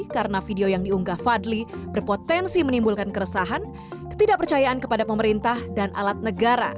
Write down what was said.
karena video yang diunggah fadli berpotensi menimbulkan keresahan ketidakpercayaan kepada pemerintah dan alat negara